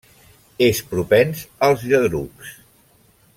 És propens als lladrucs.